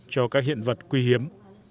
cho các hiện vật quý hiếm